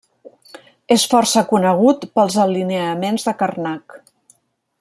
És força conegut pels alineaments de Carnac.